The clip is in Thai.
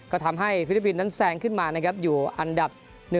ก็ทำให้ฟิลิปปินส์นั้นแซงขึ้นมานะครับอยู่อันดับ๑